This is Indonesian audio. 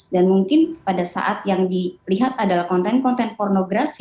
mungkin pada saat yang dilihat adalah konten konten pornografi